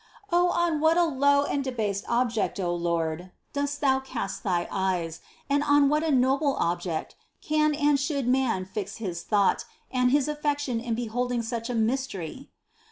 Oh, on what a low and debased object, O Lord, dost Thou cast thy eyes, and on what a noble Object can and should man fix his thought and his af fection in beholding such a mystery!